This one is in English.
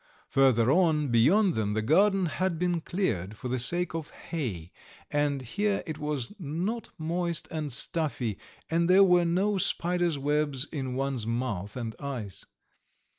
Further on, beyond them the garden had been cleared for the sake of hay, and here it was not moist and stuffy, and there were no spiders' webs in one's mouth and eyes.